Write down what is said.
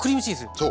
そう。